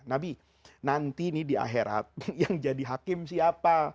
nabi nanti ini di akhirat yang jadi hakim siapa